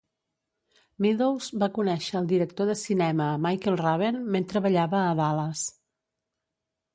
Meadows va conèixer el director de cinema Michael Raven mentre ballava a Dallas.